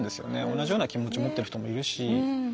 同じような気持ち持ってる人もいるし。